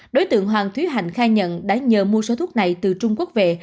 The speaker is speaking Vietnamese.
đối tượng hoàng thúy hạnh khai nhận đã nhờ mua số thuốc này từ trung quốc về